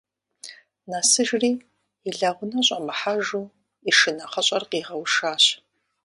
Нэсыжри, и лэгъунэ щӏэмыхьэжу, и шынэхъыщӏэр къигъэушащ.